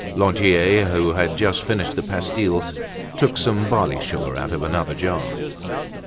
Lantier, who had finished the pastilles, took some barley sugar out of another jar.